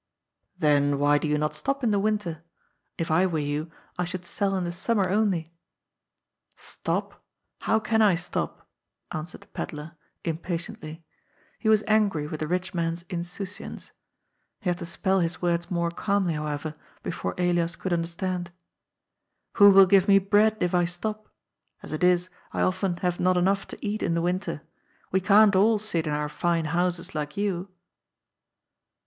" Then why do you not stop in the winter? If I were you, I should sell in the summer only." ^^ Stop 1 How can I stop ?" answered the pedlar, impa tiently. He was angry with the rich man's " insouciance." He had to spell his words more calmly, however, before Elias could understand. " Who will give me bread if I stop ? As it is, I often have not enough to eat in the winter. We can't all sit in our fine houses like you."